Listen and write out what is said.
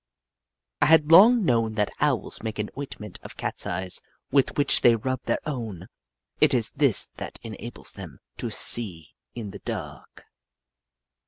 I had long known that Owls make an ointment of Cats' eyes, with which they rub their own. It is this that en ables them to see in the dark.